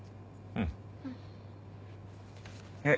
うん。えっ？